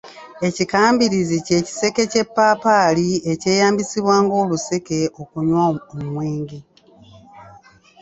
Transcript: Ekikambirizi ky’ekiseke ky’eppaapaali ekyeyambisibwa ng’oluseke okunywa omwenge.